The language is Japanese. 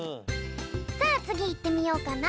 さあつぎいってみようかな。